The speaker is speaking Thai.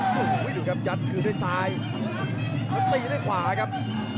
โอ้โหดูครับยัดคืนด้วยซ้ายแล้วตีด้วยขวาครับ